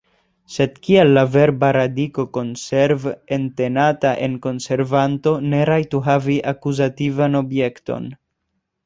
Sed kial la verba radiko konserv, entenata en konservanto, ne rajtu havi akuzativan objekton?